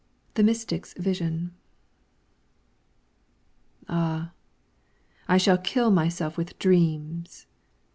THE MYSTIC'S VISION Ah! I shall kill myself with dreams!